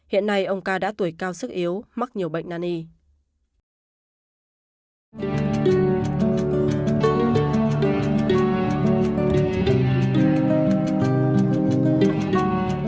hãy đăng ký kênh để ủng hộ kênh của mình nhé